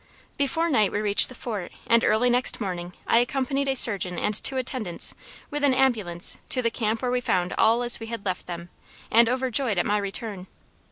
Before night we reached the Fort, and early next morning I accompanied a surgeon and two attendants, with an ambulance, to the camp where we found all as we had left them, and overjoyed at my return.